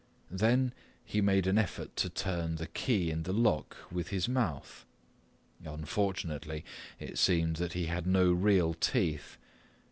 Then he made an effort to turn the key in the lock with his mouth. Unfortunately it seemed that he had no real teeth.